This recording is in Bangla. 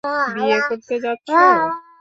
বিয়ে করতে যাচ্ছো।